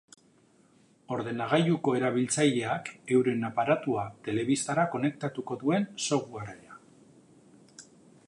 Ordenagailuko erabiltzaileak euren aparatua telebistara konektatuko duen softwarea.